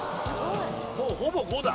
もうほぼ５だ。